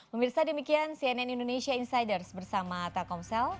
pemirsa demikian cnn indonesia insiders bersama telkomsel